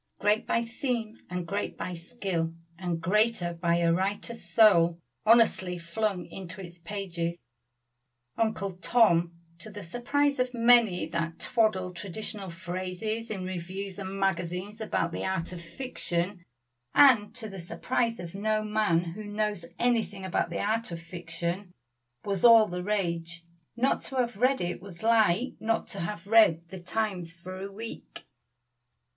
Great by theme, and great by skill, and greater by a writer's soul honestly flung into its pages, "Uncle Tom," to the surprise of many that twaddle traditional phrases in reviews and magazines about the art of fiction, and to the surprise of no man who knows anything about the art of fiction, was all the rage. Not to have read it was like not to have read the Times for a week.